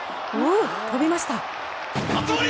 跳びました！